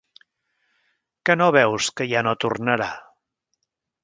Que no veus que ja no tornarà?